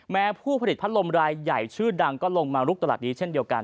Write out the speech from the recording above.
ผู้ผลิตพัดลมรายใหญ่ชื่อดังก็ลงมาลุกตลาดนี้เช่นเดียวกัน